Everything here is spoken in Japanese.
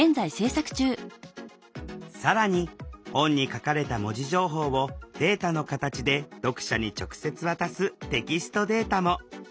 更に本に書かれた文字情報をデータの形で読者に直接渡す「テキストデータ」も。